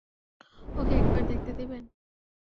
ওকে একবার দেখতে দিবেন?